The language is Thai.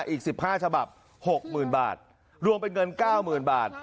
อีก๑๕ฉบับ๖๐๐๐บาทรวมเป็นเงิน๙๐๐๐บาท